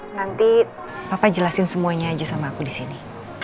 nanti papa jelasin semuanya aja sama aku di sini